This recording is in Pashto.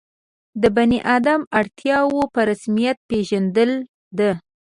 د بني آدم اړتیاوو په رسمیت پېژندل ده.